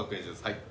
はい。